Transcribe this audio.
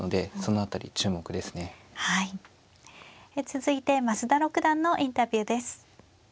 続いて増田六段のインタビューです。